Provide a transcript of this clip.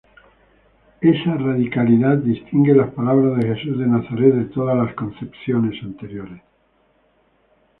Esa radicalidad distingue las palabras de Jesús de Nazaret de todas las concepciones anteriores.